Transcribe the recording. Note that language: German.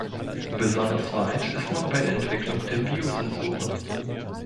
Besonders weit ist man bei der Entwicklung der Biosensoren.